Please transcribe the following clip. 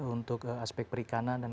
untuk aspek perikanan dan